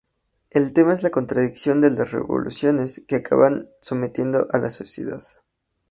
El tema es la contradicción de las revoluciones que acaban sometiendo a la sociedad.